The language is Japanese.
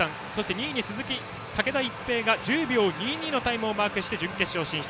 ２位にスズキの竹田一平が１０秒２２のタイムをマークして準決勝進出。